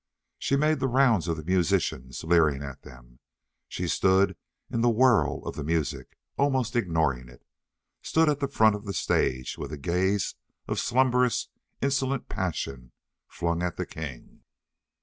She made the rounds of the musicians, leering at them. She stood in the whirl of the music, almost ignoring it, stood at the front of the stage with a gaze of slumberous, insolent passion flung at the king.